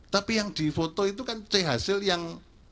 tapi yang difotcon tulekan c hasil yang